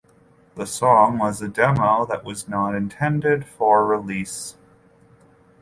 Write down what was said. The song was a demo that was not intended for release.